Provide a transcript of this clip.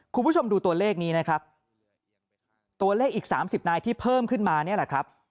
คุณผู้ชมดูตัวเลขนี้นะครับตัวเลขอีกสามสิบนายที่เพิ่มขึ้นมาเนี่ยแหละครับ